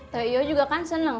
teh yo juga kan seneng